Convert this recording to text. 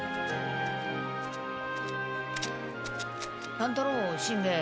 乱太郎しんべヱ。